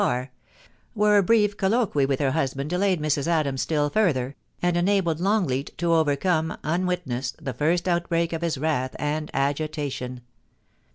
395 bar, where a brief colloquy with her husband delayed Mrs. Adams still further, and enabled Longleat to overcome, unwitnessed, the first outbreak of his wrath and agitation.